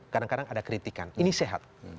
kadang kadang ada kritikan ini sehat